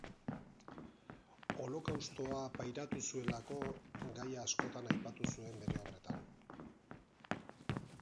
Holokaustoa pairatu zuelako gaia askotan aipatu zuen bere obretan.